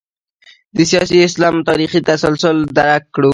د سیاسي اسلام تاریخي تسلسل درک کړو.